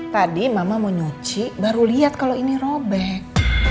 tadi mama mau nyuci baru lihat kalau ini robek